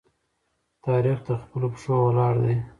تاریخ د خپلو پښو ولاړ دی.